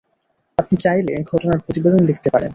আপনি চাইলে ঘটনার প্রতিবেদন লিখতে পারেন।